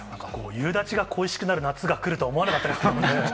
夕立が恋しくなる夏が来ると思わなかったですね。